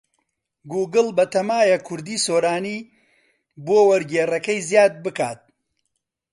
گووگڵ بەتەمایە کوردیی سۆرانی بۆ وەرگێڕەکەی زیاد بکات.